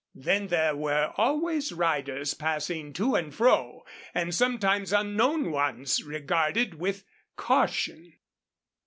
Then there were always riders passing to and fro, and sometimes unknown ones regarded with caution.